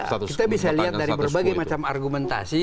kita bisa lihat dari berbagai macam argumentasi